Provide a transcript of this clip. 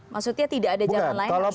maksudnya tidak ada jalan lain harus dihukum